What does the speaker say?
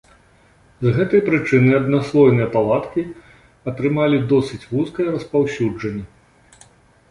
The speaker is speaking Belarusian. З гэтай прычыны аднаслойныя палаткі атрымалі досыць вузкае распаўсюджанне.